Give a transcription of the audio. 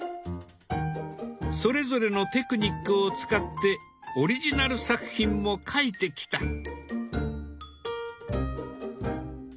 それぞれのテクニックを使ってオリジナル作品も描いてきた。